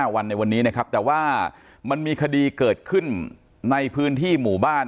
วันในวันนี้นะครับแต่ว่ามันมีคดีเกิดขึ้นในพื้นที่หมู่บ้าน